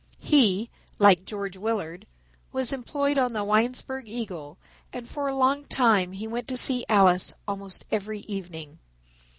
He, like George Willard, was employed on the Winesburg Eagle and for a long time he went to see Alice almost every evening.